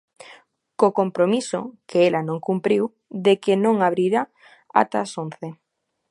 Co compromiso, que ela non cumpriu, de que non a abrira ata as once.